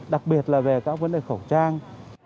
đặc biệt là về các vấn đề khẩu trang